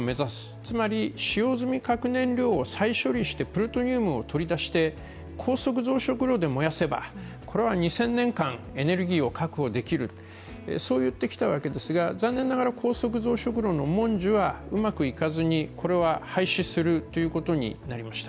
つまり使用済み核燃料を再処理してプルトニウムを取り出して高速増殖炉で燃やせば、これは２０００年間エネルギーを確保できるそういってきたわけですが高速増殖炉のもんじゅはうまくいかずに、これは廃止することになりました。